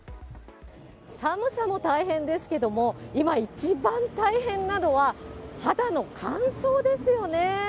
寒さも大変ですけども、今、一番大変なのは、肌の乾燥ですよね。